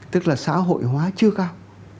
tức là xã hội hóa chưa cao